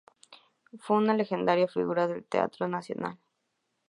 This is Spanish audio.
Fue una legendaria figura del Teatro Nacional.